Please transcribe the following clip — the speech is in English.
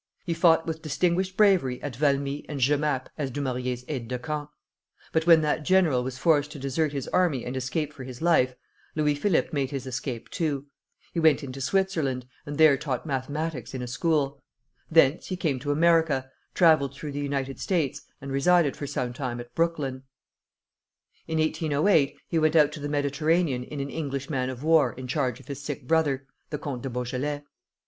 He fought with distinguished bravery at Valmy and Jemappes as Dumouriez's aide de camp; but when that general was forced to desert his army and escape for his life, Louis Philippe made his escape too. He went into Switzerland, and there taught mathematics in a school. Thence he came to America, travelled through the United States, and resided for some time at Brooklyn. In 1808 he went out to the Mediterranean in an English man of war in charge of his sick brother, the Comte de Beaujolais.